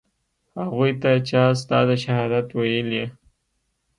هغوى ته چا ستا د شهادت ويلي.